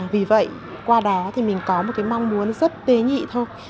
vì vậy qua đó thì mình có một cái mong muốn rất tế nhị thôi